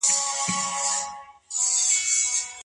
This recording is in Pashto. دوی په خپله خوښه له کوم حقه وځي؟